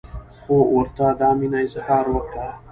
خو ورته دا مینه اظهار وکړه.